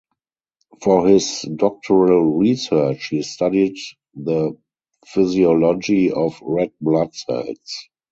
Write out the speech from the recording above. For his doctoral research he studied the physiology of red blood cells.